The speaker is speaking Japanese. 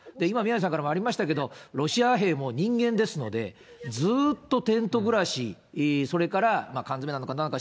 今、宮根さんからもありましたけれども、ロシア兵も人間ですので、ずっとテント暮らし、それから缶詰なのかな